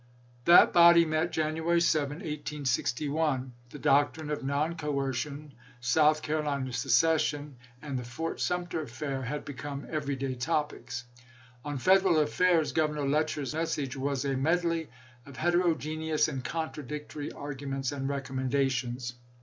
That le/iseo.' body met January 7, 1861; the doctrine of non coercion, South Carolina secession, and the Fort Sumter affair had become every day topics. On Federal affairs Governor Letcher's message was a medley of heterogeneous and contradictory argu ments and recommendations.